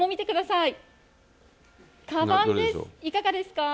いかがですか。